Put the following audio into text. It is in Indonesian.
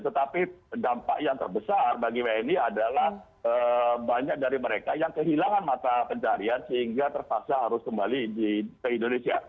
tetapi dampak yang terbesar bagi wni adalah banyak dari mereka yang kehilangan mata pencarian sehingga terpaksa harus kembali ke indonesia